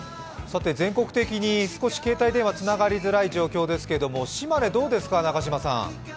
全国的に少し携帯電話がつながりにくい状態ですけど、島根、どうですか？